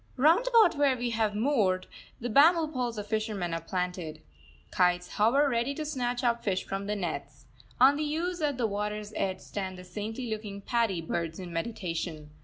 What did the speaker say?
Round about where we have moored, the bamboo poles of fishermen are planted. Kites hover ready to snatch up fish from the nets. On the ooze at the water's edge stand the saintly looking paddy birds in meditation.